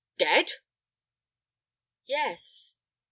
"Dead!" "Yes."